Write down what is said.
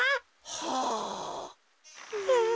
はあ。